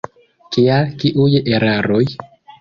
Kiaj, kiuj eraroj?